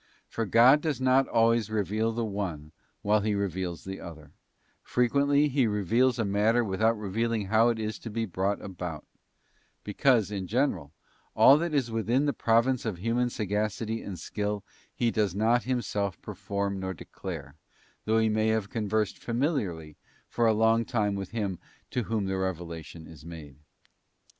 For God does not always * Eccles. iv. 10, 11, 12. T Gal. ii, 2. or GRACE ASSISTED BY NATURE. 163 reveal the one, while He reveals the other; frequently He reveals a matter without revealing how it is to be brought about—hbecause, in general, all that is within the province of human sagacity and skill He does not Himself perform nor declare, though He may have conversed familiarly for a long time with him to whom the revelation is made.